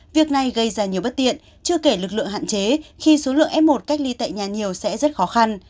việc này gây ra nhiều bất tiện chưa kể lực lượng hạn chế khi số lượng f một cách ly tại nhà nhiều sẽ rất khó khăn